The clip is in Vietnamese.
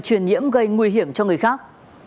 truyền nhiễm gây nguy hiểm cho người khác